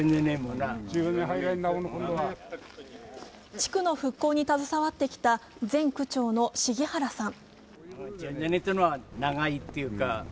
地区の復興に携わってきた前区長の鴫原さん。